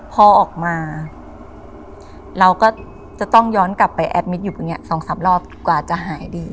พอออกมาเราก็จะต้องย้อนกลับไปแอดมิตอยู่ตรงนี้๒๓รอบกว่าจะหายดี